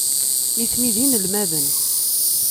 Nitni d inelmaden.